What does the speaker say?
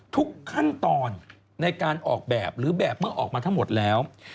ทุกขั้นตอนในการออกแบบหรือแบบเมื่อออกมาทั้งหมดแล้ว